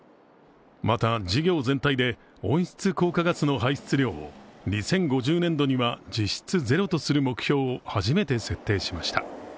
また、事業全体で温室効果ガスの排出量を２０５０年度には実質ゼロとする目標を初めて設定しました。